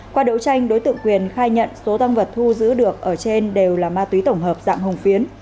qua đấu tranh đối tượng quyền khai nhận số tăng vật thu giữ được ở trên đều là ma túy tổng hợp dạng hồng phiến